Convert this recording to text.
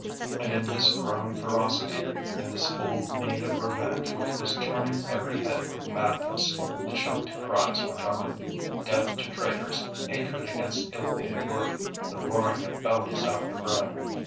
And in this growing ferocity, in this old need of revenge which was turning every head with madness, the choked cries went on, death to traitors, hatred against ill paid work, the roaring of bellies after bread.